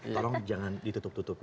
tolong jangan ditutup tutupin